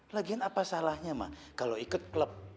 lagian apa salahnya kalau ikut klub